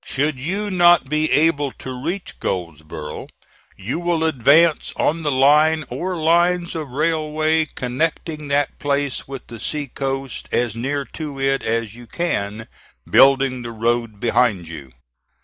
Should you not be able to reach Goldsboro', you will advance on the line or lines of railway connecting that place with the sea coast as near to it as you can, building the road behind you.